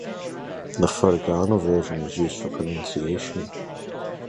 The furigana version is used for pronunciation.